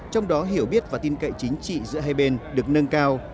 trong đó hiểu biết và tin cậy chính trị giữa hai bên được nâng cao